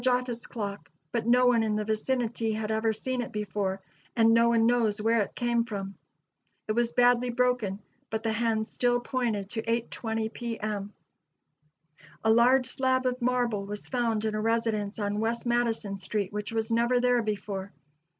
] office clock, but no one in the vicinity had ever seen it before, and no one knows where it came from. It was badly broken, but the hands still pointed to 8:20 P.M. A large slab of marble was found in a residence on West Madison street which was never there before.